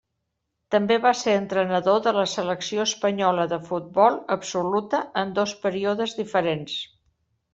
També va ser entrenador de la selecció espanyola de futbol absoluta en dos períodes diferents.